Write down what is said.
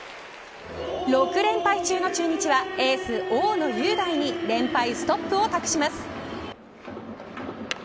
６連敗中の中日はエース大野雄大に連敗ストップを託します。